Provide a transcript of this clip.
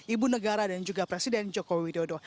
ibu negara dan juga presiden joko widodo